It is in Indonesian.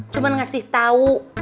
cuman ngasih tau